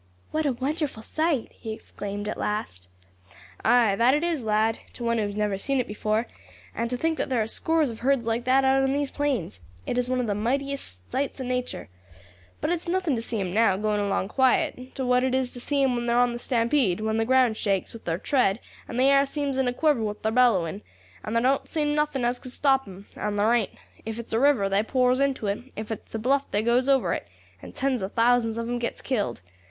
"What a wonderful sight!" he exclaimed at last. "Ay, that it is, lad, to one who has never seen it afore; and to think that thar are scores of herds like that out on these plains. It's one of the mightiest sights of natur. But it's nothing to see 'em now, going along quiet, to what it is to see 'em when they are on the stampede, when the ground shakes with thar tread, and the air seems in a quiver with thar bellowing; thar don't seem nothing as could stop 'em, and thar ain't. If it's a river, they pours into it; if it's a bluff, they goes over it, and tens of thousands of them gets killed.